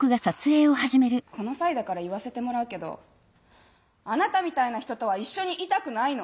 あこの際だから言わせてもらうけどあなたみたいな人とは一緒にいたくないの！